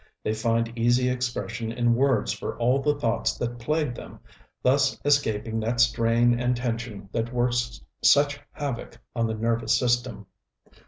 They find easy expression in words for all the thoughts that plague them, thus escaping that strain and tension that works such havoc on the nervous system.